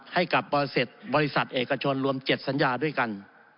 ให้กับบริษัทเอกชนรวม๗สัญญาด้วยกัน